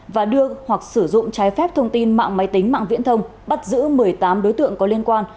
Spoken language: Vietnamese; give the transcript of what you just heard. và đưa hoặc sử dụng trái phép thông tin mạng máy tính mạng viễn thông bắt giữ một mươi tám đối tượng có liên quan